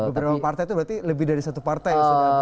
beberapa partai itu berarti lebih dari satu partai